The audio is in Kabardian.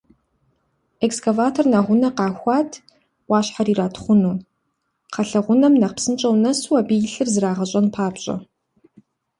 Экскаватор нэгъунэ къахуат, Ӏуащхьэр иратхъуну, кхъэлэгъунэм нэхъ псынщӀэу нэсу абы илъыр зрагъэщӀэн папщӀэ.